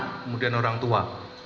kemudian orang tua